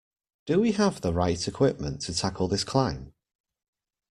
Do we have the right equipment to tackle this climb?